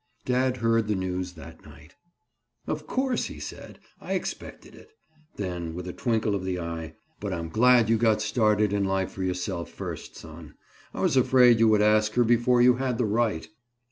Dad heard the news that night. "Of course," he said. "I expected it." Then, with a twinkle of the eye. "But I'm glad you got started in life for yourself first, son. I was afraid you would ask her before you had the right."